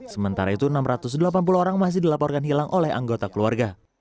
sementara itu enam ratus delapan puluh orang masih dilaporkan hilang oleh anggota keluarga